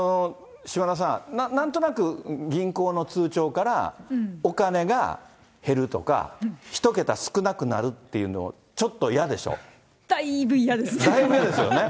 島田さん、なんとなく、銀行の通帳からお金が減るとか、１桁少なくなるっていうの、ちょだいぶ嫌ですね。